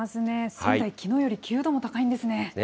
仙台、きのうより９度も高いんですね。